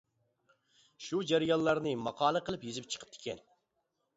شۇ جەريانلارنى ماقالە قىلىپ يېزىپ چىقىپتىكەن.